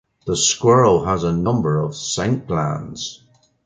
The squirrel has a number of scent glands.